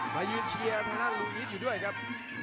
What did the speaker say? มายืนเชียร์ทางหน้าลูอีสอยู่ด้วยครับ